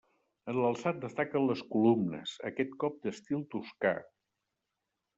En l'alçat destaquen les columnes, aquest cop d'estil toscà.